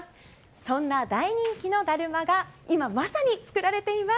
そんな大人気のだるまが今まさに作られています。